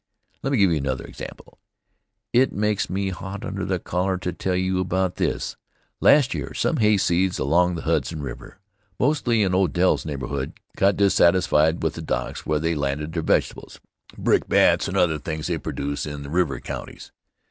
Let me give you another example. It makes me hot under the collar to tell about this. Last year some hay seeds along the Hudson River, mostly in Odell's neighborhood, got dissatisfied with the docks where they landed their vegetables, brickbats, and other things they produce in the river counties.